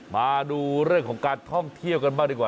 มาดูเรื่องของการท่องเที่ยวกันบ้างดีกว่า